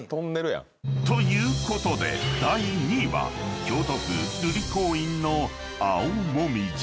［ということで第２位は京都府瑠璃光院の青もみじ］